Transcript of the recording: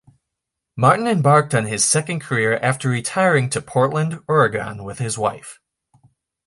Martin embarked on his second career after retiring to Portland, Oregon with his wife.